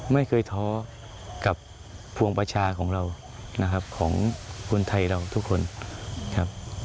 ไม่เคยท้อกับพวงประชาของเรานะครับของคนไทยเราทุกคนครับ